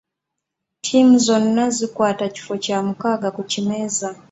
Tiimu zonna zikwata kifo kya mukaga ku kimeeza.